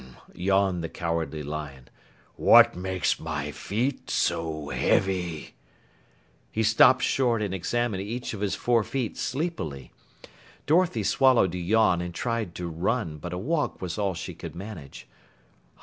yawned the Cowardly Lion. "What makes my feet so heavy?" He stopped short and examined each of his four feet sleepily. Dorothy swallowed a yawn and tried to run, but a walk was all she could manage.